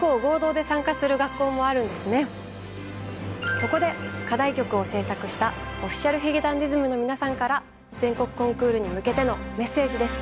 ここで課題曲を制作したＯｆｆｉｃｉａｌ髭男ｄｉｓｍの皆さんから全国コンクールに向けてのメッセージです。